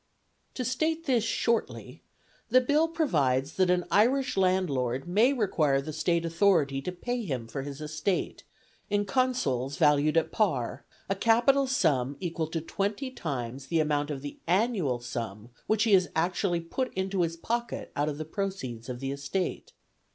To state this shortly, the Bill provides that an Irish landlord may require the State Authority to pay him for his estate, in consols valued at par, a capital sum equal to twenty times the amount of the annual sum which he has actually put into his pocket out of the proceeds of the estate.